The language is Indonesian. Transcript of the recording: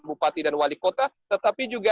bupati dan wali kota tetapi juga